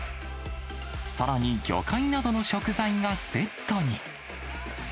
さらに魚介などの食材がセットに。